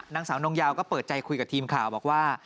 นางสาวนงยาวก็เปิดใจคุยกับทีมข่าวบอกว่า